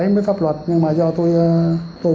mở rộng điều tra